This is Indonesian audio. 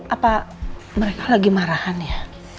apa mereka lagi marahan ya